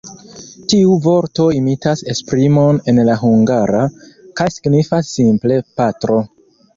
Tiu vorto imitas esprimon en la hungara, kaj signifas simple “patro”.